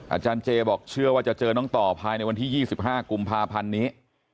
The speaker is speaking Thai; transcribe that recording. อาจารย์เจบอกเชื่อว่าจะเจอน้องต่อภายในวันที่๒๕กุมภาพันธ์นี้